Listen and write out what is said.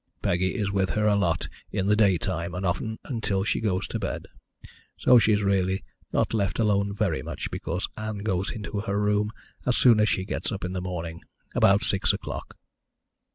Peggy is with her a lot in the daytime, and often until she goes to bed. So she's really not left alone very much, because Ann goes into her room as soon as she gets up in the morning about six o'clock."